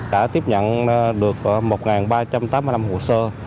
đã tiếp nhận được một ba trăm tám mươi năm hồ sơ